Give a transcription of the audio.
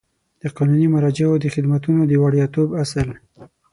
د قانوني مراجعو د خدمتونو د وړیاتوب اصل